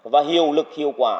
và hiệu lực hiệu quả